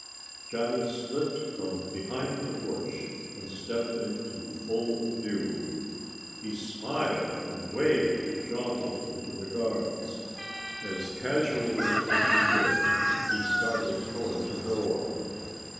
Johnny slipped from behind the bush and stepped into full view. He smiled and waved jauntily to the guards. As casually as he could he started toward the door.